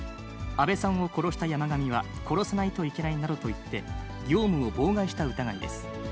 安倍さんを殺した山上は殺さないといけないなどと言って、業務を妨害した疑いです。